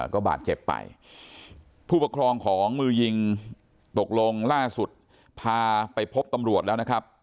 ก็บาดเจ็บไปผู้ปกครองของมือยิงตกลงล่าสุดพาไปพบตำรวจแล้วนะครับ